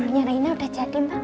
kamarnya reina udah jadi mbak